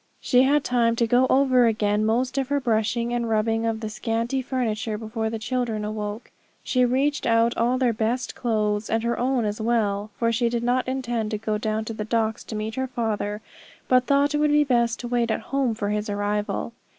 She had time to go over again most of her brushing and rubbing of the scanty furniture before the children awoke. She reached out all their best clothes, and her own as well, for she did not intend to go down to the docks to meet her father, but thought it would be best to wait at home for his arrival.